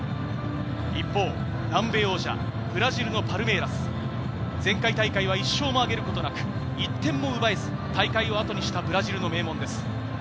一方、南米王者、ブラジルのパルメイラス。前回大会は１勝もあげることなく、１点も奪えず、大会をあとにしたブラジルの名門です。